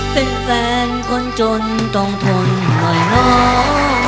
เป็นแฟนคนจนต้องทนหน่อยเนาะ